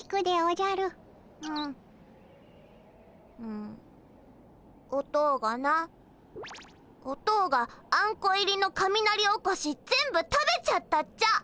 んおとおがなおとおがアンコ入りのカミナリおこし全部食べちゃったっちゃ。